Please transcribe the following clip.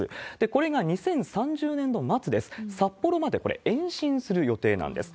これが２０３０年度末です、札幌まで、これ、延伸する予定なんです。